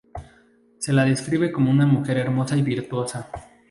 Se la describe como una mujer hermosa y virtuosa.